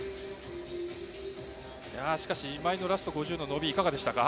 今井のラスト５０の伸びいかがでしたか？